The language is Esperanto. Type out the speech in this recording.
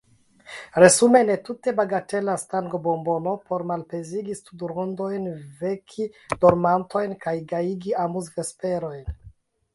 Resume: ne tute bagatela stangobombono por malpezigi studrondojn, veki dormantojn kaj gajigi amuzvesperojn.